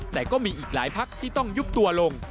แต่ก็มีอีกหลายพักที่ต้องยุบตัวลง